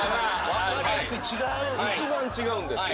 一番違うんですよ。